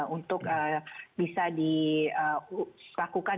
untuk bisa dilakukan